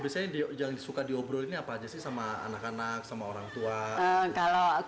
biasanya yang suka diobrol ini apa aja sih sama anak anak sama orang tua